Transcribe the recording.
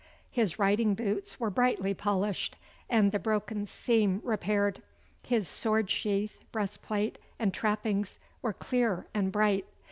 His riding boots were brightly polished, and the broken seam repaired. His sword sheath, breastplate, and trappings were clear and bright.